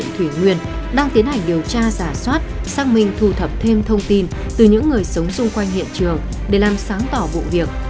thủy nguyên đang tiến hành điều tra giả soát xác minh thu thập thêm thông tin từ những người sống xung quanh hiện trường để làm sáng tỏ vụ việc